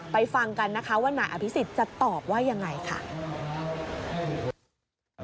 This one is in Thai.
ไปฟังกันวันใหม่อภิษฐ์จะตอบว่ายังไงค่ะ